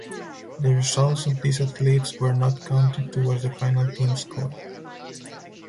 The results of these athletes were not counted towards the final team score.